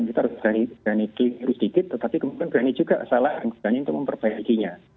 kita harus berani berani sedikit tetapi kemampuan berani juga salah dan kita harus berani untuk memperbaikinya